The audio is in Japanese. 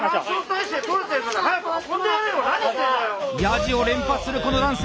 ヤジを連発するこの男性